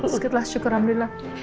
susketlah syukur alhamdulillah